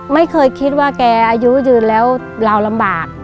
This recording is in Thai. ไม่เคยคิดว่าแกอายุยืนแล้วเราลำบาก